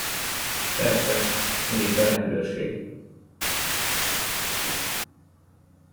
Persze, megint a rendőrség.